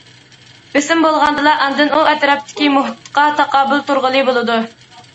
بېسىم بولغاندىلا ئاندىن ئۇ ئەتراپتىكى مۇھىتقا تاقابىل تۇرغىلى بولىدۇ.